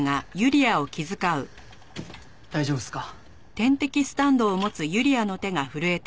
大丈夫っすか？